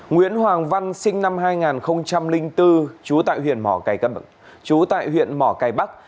nguyễn hoàng văn sinh năm hai nghìn bốn chú tại huyện mỏ cài bắc